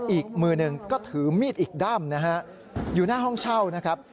อีกมือหนึ่งก็ถือมีดอีกด้ำนะฮะอยู่หน้าห้องเช่านะครับ